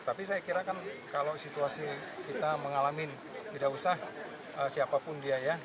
tapi saya kira kan kalau situasi kita mengalami tidak usah siapapun dia ya